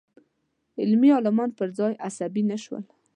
علمي عالمان پر ځای عصباني شول.